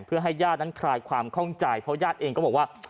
เพื่อให้ญาตินั้นคลายความข้องใจเพราะญาติเองก็บอกว่า